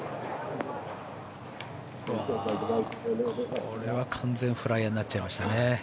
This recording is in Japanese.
これは完全にフライヤーになっちゃいましたね。